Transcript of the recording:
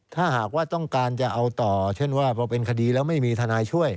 ถ้าหากว่าต้องการจะเอาต่อเช่นว่าพอเป็นคดีแล้วไม่มีทนายช่วย